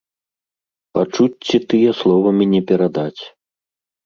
Пачуцці тыя словамі не перадаць.